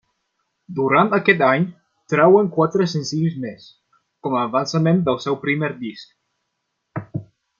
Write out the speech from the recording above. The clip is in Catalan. Durant aquest any trauen quatre senzills més, com a avançament del seu primer disc.